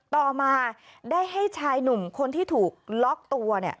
ต่อมาได้ให้ชายหนุ่มคนที่ถูกล็อกตัวเนี่ย